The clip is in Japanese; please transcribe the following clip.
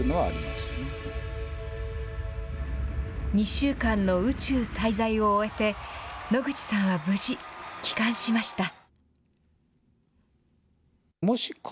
２週間の宇宙滞在を終えて、野口さんは無事、帰還しました。